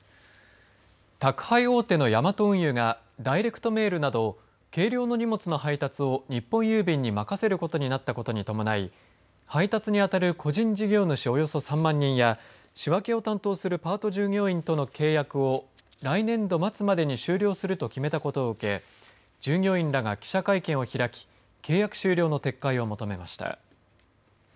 宅配大手のヤマト運輸がダイレクトメールなど軽量の荷物の配達を日本郵便に任せることになったことに伴い配達に当たる個人事業主およそ３万人が仕分けを担当するパート従業員との契約を来年度末までに終了すると決めたことを受け従業員らが記者会見を開き契約終了の撤回を求めました。